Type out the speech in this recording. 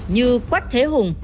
như quách thế hùng